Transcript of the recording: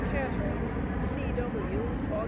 CATHARINES, C.W., Aug.